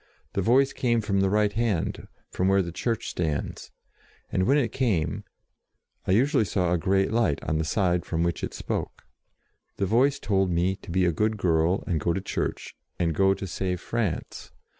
The Voice came from the right hand, from where the church stands, and when it came I usually saw a great light on the side from which it spoke. The Voice told me to be a good girl and go to church, and go to save France.